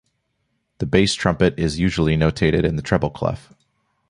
The bass trumpet is usually notated in the treble clef.